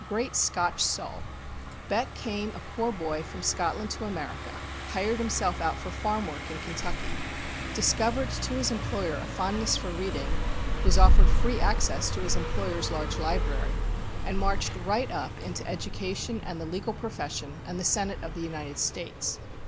Great Scotch soul! Beck came a poor boy from Scotland to America, hired himself out for farm work in Kentucky, discovered to his employer a fondness for reading, was offered free access to his employer's large library, and marched right up into education and the legal profession and the Senate of the United States."